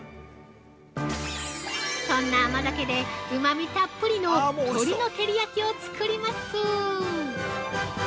そんな甘酒で、うまみたっぷりの鶏の照り焼きを作ります。